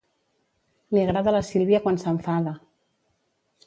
Li agrada la Sílvia quan s'enfada.